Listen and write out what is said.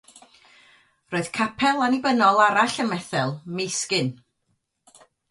Roedd capel Annibynnol arall ym Methel, Meisgyn.